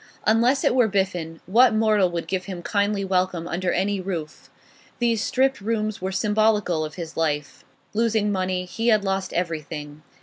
Unless it were Biffen, what mortal would give him kindly welcome under any roof? These stripped rooms were symbolical of his life; losing money, he had lost everything.